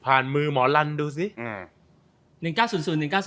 ผ่านมือหมอรันดูสิอืม